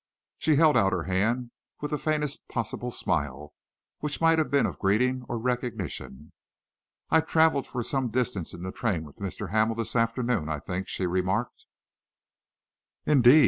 She held out her hand with the faintest possible smile, which might have been of greeting or recognition. "I travelled for some distance in the train with Mr. Hamel this afternoon, I think," she remarked. "Indeed?"